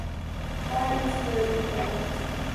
کون ان سے مرعوب ہوگا۔